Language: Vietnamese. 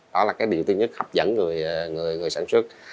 đó là cái điều thứ nhất hấp dẫn người sản xuất